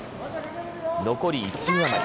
残り１分余り。